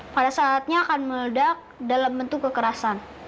pada saatnya akan meledak dalam bentuk kekerasan